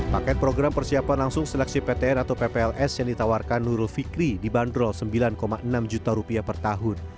paket program persiapan langsung seleksi ptn atau ppls yang ditawarkan nurul fikri dibanderol sembilan enam juta rupiah per tahun